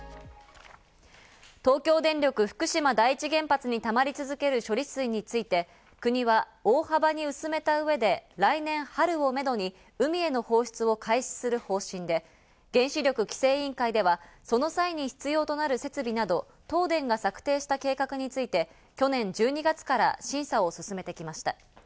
東京電力福島第一原発にたまり続ける処理水について、国は大幅に薄めた上で来年春をめどに海への放出を開始する方針で、原子力規制委員会ではその際に必要となる設備など東電が策定した計画について去年１２月から審査を進めてきました。